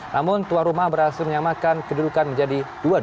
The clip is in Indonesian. namun tuan rumah berhasil menyamakan kedudukan menjadi dua dua